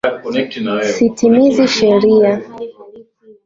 sitimizi sheria